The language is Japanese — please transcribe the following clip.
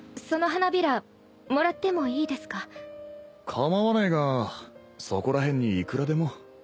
構わねえがそこら辺にいくらでも。